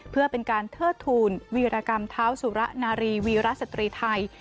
เพื่อเป็นการเทิดทูลวีรกรรมเท้าสุระนารีวีรสตรีไทย